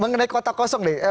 mengenai kota kosong